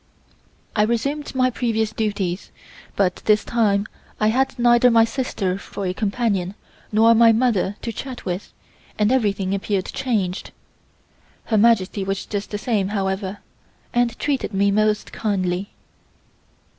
I resumed my previous duties, but this time I had neither my sister for a companion nor my mother to chat with and everything appeared changed. Her Majesty was just the same, however, and treated me most kindly.